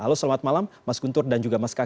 halo selamat malam mas guntur dan juga mas kak